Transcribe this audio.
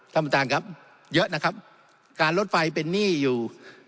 ท่านประธานครับเยอะนะครับการลดไฟเป็นหนี้อยู่